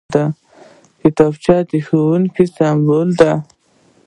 کتابچه د ښوونځي سمبول دی